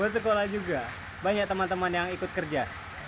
buat sekolah juga banyak teman teman yang ikut kerja